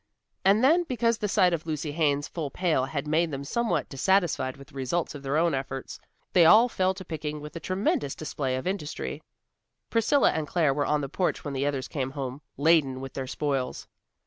And then because the sight of Lucy Haines' full pail had made them somewhat dissatisfied with the results of their own efforts, they all fell to picking with a tremendous display of industry. Priscilla and Claire were on the porch when the others came home laden with their spoils.